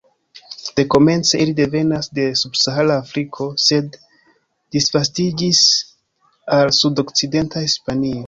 Dekomence ili devenas de subsahara Afriko, sed disvastiĝis al sudokcidenta Hispanio.